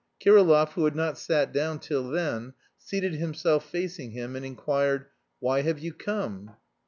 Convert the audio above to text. Kirillov, who had not sat down till then, seated himself facing him, and inquired: "Why have you come?"